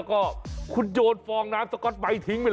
ใครจะล้างค่ะ